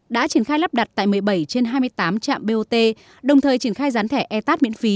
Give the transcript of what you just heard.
đã triển khai lắp đặt tại một mươi bảy trên hai mươi tám trạm bot đồng thời triển khai dán thẻ e tac miễn phí